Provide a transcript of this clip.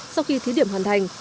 sau khi thí điểm hoàn thành